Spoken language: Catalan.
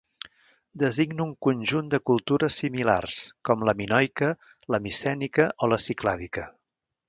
Designa un conjunt de cultures similars, com la minoica, la micènica o la ciclàdica.